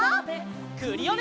クリオネ！